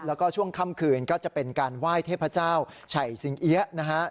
แล้วก็ช่วงค่ำคืนก็จะเป็นการไหว้เทพเจ้าไฉสิงเอี๊ยะนะฮะ